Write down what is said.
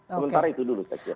sementara itu dulu saya kira